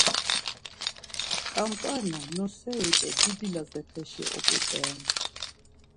Ǩamp̌arna noseri do didi Lazepeşi oput̆e ren.